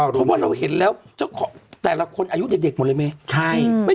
เพราะว่าเราเห็นแล้วเจ้าของแต่ละคนอายุเด็กหมดเลยไหม